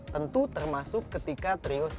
tentu termasuk ketika trio sri kandi hendak berdua